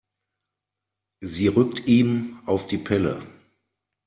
Sie rückt ihm auf die Pelle.